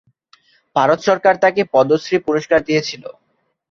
ভারত সরকার তাকে পদ্মশ্রী পুরস্কার দিয়েছিলো।